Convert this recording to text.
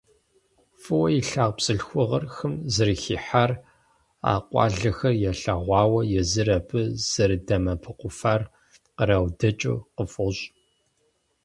ФӀыуэ илъагъу бзылъхугъэр хым зэрыхихьар а къуалэхэм ялъэгъуауэ, езыр абы зэрыдэмыӀэпыкъуфар къраудэкӀыу къыфӀощӀ.